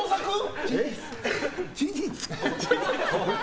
事実！